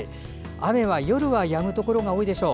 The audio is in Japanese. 雨は夜はやむところが多いでしょう。